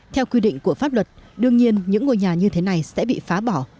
theo quy định của pháp luật đương nhiên những ngôi nhà như thế này sẽ bị phá bỏ